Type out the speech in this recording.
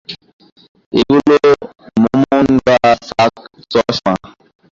এগুলো মমোনগা চশমা।